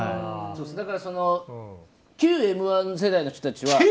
だから旧「Ｍ‐１」世代の人たちは。